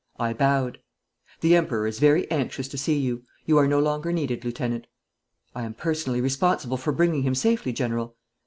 I bowed. 'The Emperor is very anxious to see you. You are no longer needed, Lieutenant.' 'I am personally responsible for bringing him safely, General.'